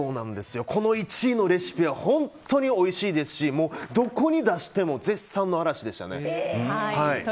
この１位のレシピは本当においしいですしどこに出しても絶賛の嵐でしたね。